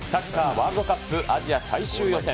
ワールドカップアジア最終予選。